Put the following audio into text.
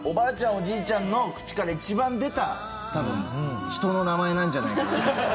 おじいちゃんの口から一番出た人の名前なんじゃないかな。